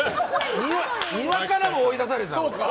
庭からも追い出されたの？